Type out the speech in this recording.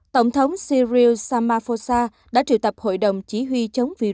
tổng thống cyril samaphosa đã triệu tập hội đồng chí huy chống virus